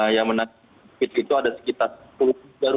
yang menakjubkan itu ada sekitar sepuluh rumah